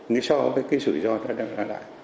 nếu so với cái rủi ro đã đều là lại